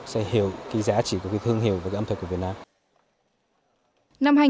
sẽ hiểu giá trị của thương hiệu và ấm thực của việt nam